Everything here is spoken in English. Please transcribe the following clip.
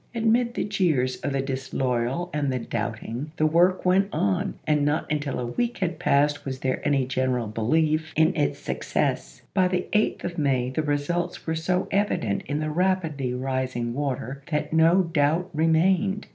Amid the jeers of the disloyal and the doubting, the work went on, and not until a week had passed was there any general belief in its success. But by the 8th of May the results were so evident in the rapidly rising water that no doubt remained.